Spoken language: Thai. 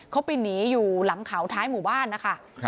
เขาไปหนีอยู่หลังเขาท้ายหมู่บ้านนะคะ